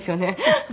フフ。